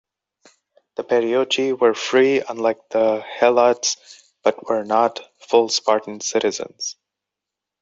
The perioeci were free, unlike the helots, but were not full Spartan citizens.